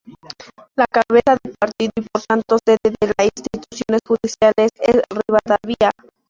La cabeza de partido y por tanto sede de las instituciones judiciales es Ribadavia.